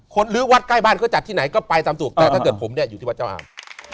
หรือวัดใกล้บ้านเขาจัดที่ไหนก็ไปตามถูกแต่ถ้าเกิดผมเนี่ยอยู่ที่วัดเจ้าอาม